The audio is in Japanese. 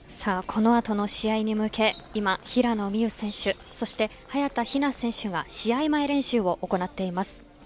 この後の試合に向け今平野美宇選手そして早田ひな選手が試合前練習を行っています。